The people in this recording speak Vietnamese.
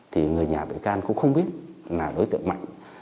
thì người nhà bị can cũng không biết là đối tượng mạnh